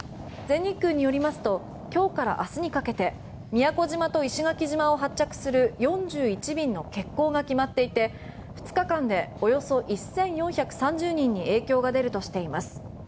全日空によりますと今日から明日にかけて宮古島と石垣島を発着する４１便の欠航が決まっていて２日間でおよそ１４３０人に影響が出るとしています。